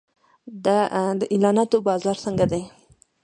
د اعلاناتو بازار څنګه دی؟